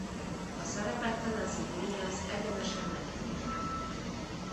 A szerepet Tennessee Williams egyenesen neki írta.